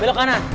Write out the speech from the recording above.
belok kanan pak